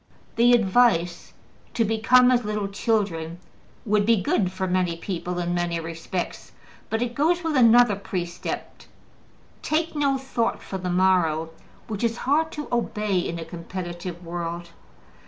The advice to ``become as little children'' would be good for many people in many respects, but it goes with another precept, ``take no thought for the morrow,'' which is hard to obey in a competitive world.